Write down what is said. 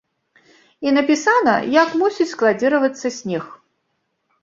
І напісана, як мусіць складзіравацца снег.